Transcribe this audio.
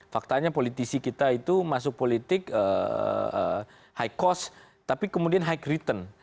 faktanya politisi kita itu masuk politik high cost tapi kemudian high return